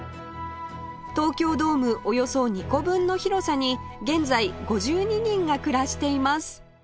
東京ドームおよそ２個分の広さに現在５２人が暮らしています